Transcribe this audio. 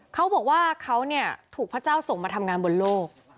เขาบอกว่าเขาถูกพระเจ้าส่งมาทำงานบนโลก